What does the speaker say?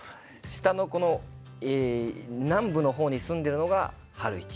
下のこの南部の方に住んでるのが晴一。